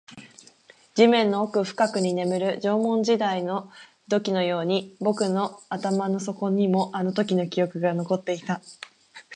地面の奥深くに眠る縄文時代の土器のように、僕の頭の底にもあのときの記憶が残っていた